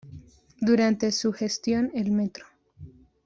Durante su gestión el Mtro.